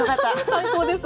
最高です。